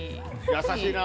優しいな。